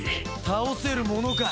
倒せるものか！